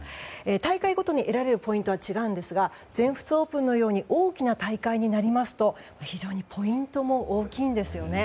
大会ごとに得られるポイントは違うんですが全仏オープンのように大きな大会になりますと非常にポイントも大きいんですよね。